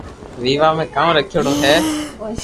ويوا ۾ ڪاو رکيآوڙو ھي